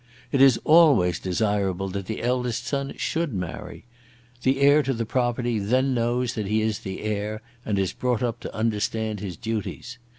"It is always desirable that the eldest son should marry. The heir to the property then knows that he is the heir, and is brought up to understand his duties.